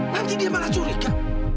nanti dia malah curiga